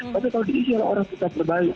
tapi kalau diisi orang orang yang terbaik